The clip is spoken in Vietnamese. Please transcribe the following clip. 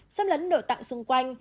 xâm lấn nội tạng xung quanh